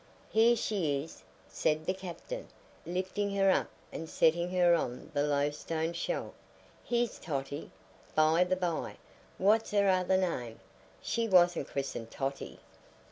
"Here she is!" said the captain, lifting her up and setting her on the low stone shelf. "Here's Totty! By the by, what's her other name? She wasn't christened Totty."